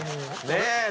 ねえ。